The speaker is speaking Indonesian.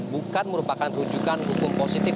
bukan merupakan rujukan hukum positif